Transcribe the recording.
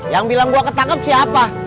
yang bilang gua ketangkep siapa